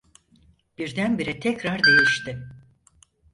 Birdenbire tekrar değişti.